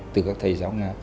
từ các thầy giáo nga